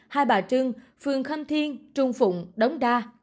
hai bà trưng phường khâm thiên trung phụng đống đa